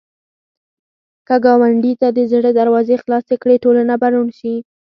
که ګاونډي ته د زړه دروازې خلاصې کړې، ټولنه به روڼ شي